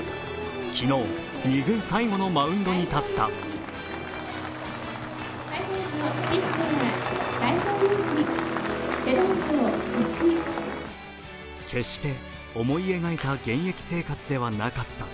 昨日、２軍最後のマウンドに立った決して思い描いた現役生活ではなかった。